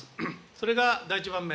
それが第１番目。